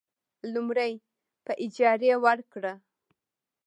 لومړی: په اجارې ورکړه.